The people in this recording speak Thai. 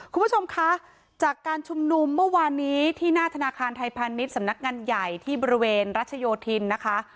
คุณผู้ชมคะจากการชุมนุมเมื่อวานนี้ที่หน้าธนาคารไทยพาณิชย์สำนักงานใหญ่ที่บริเวณรัชโยธินนะคะ